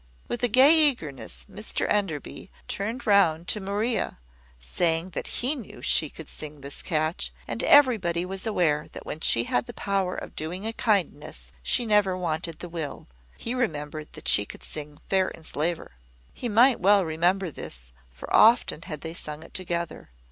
With a gay eagerness, Mr Enderby turned round to Maria, saying that he knew she could sing this catch; and everybody was aware that when she had the power of doing a kindness, she never wanted the will; he remembered that she could sing `Fair Enslaver.' He might well remember this, for often had they sung it together.